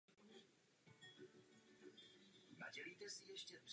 To vyžaduje navýšení mezinárodní pomoci a účinnější rozvojovou pomoc.